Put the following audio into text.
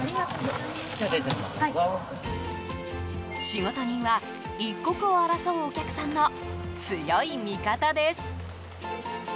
仕事人は一刻を争うお客さんの強い味方です。